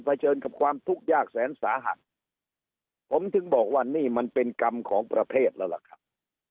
เฉินกับความทุกข์ยากแสนสาหัสผมถึงบอกว่านี่มันเป็นกรรมของประเทศแล้วล่ะครับ